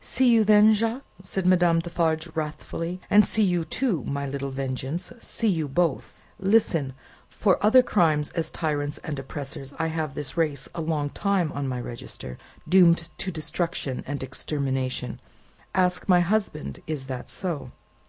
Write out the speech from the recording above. "See you then, Jacques," said Madame Defarge, wrathfully; "and see you, too, my little Vengeance; see you both! Listen! For other crimes as tyrants and oppressors, I have this race a long time on my register, doomed to destruction and extermination. Ask my husband, is that so."